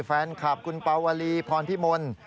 แฟนคลับคุณปาวลีพรพิมล